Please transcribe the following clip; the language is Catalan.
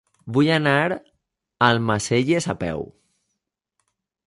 Vull anar a Almacelles a peu.